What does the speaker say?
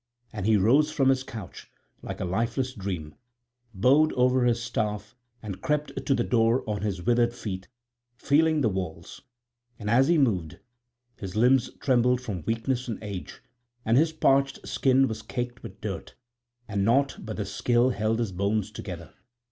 And he rose from his couch, like a lifeless dream, bowed over his staff, and crept to the door on his withered feet, feeling the walls; and as he moved, his limbs trembled for weakness and age; and his parched skin was caked with dirt, and naught but the skill held his bones together.